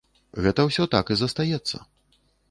Гэта ўсё так і застаецца.